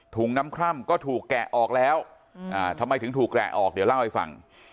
ถุงน้ำคร่ำก็ถูกแกะออกแล้วทำไมถึงถูกแกะออกเดี๋ยวเล่าให้ฟัง